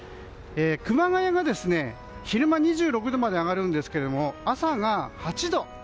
熊谷が昼間２６度まで上がるんですが朝が８度。